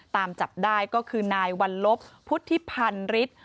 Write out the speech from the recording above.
ตามจับได้ก็คือนายวัลลบพุทธิพันธ์ฤทธิ์